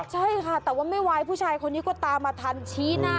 ใช่ค่ะแต่ว่าไม่ไหวผู้ชายคนนี้ก็ตามมาทันชี้หน้า